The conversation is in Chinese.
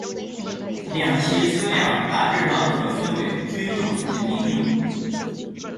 两栖车辆大致上可分为军用及民用。